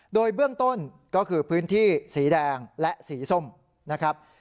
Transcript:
โดยเบื้องต้นก็คือพื้นที่สีแดงและสีส้มนะครับ